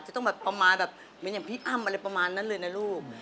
จะต้องแบบประมาณแบบเหมือนอย่างพี่อ้ำอะไรประมาณนั้นเลยนะลูก